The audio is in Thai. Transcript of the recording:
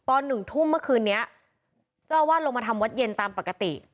หนึ่งทุ่มเมื่อคืนนี้เจ้าอาวาสลงมาทำวัดเย็นตามปกติ